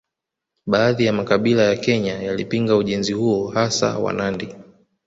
Baadhi ya makabila ya Kenya yalipinga ujenzi huo hasa Wanandi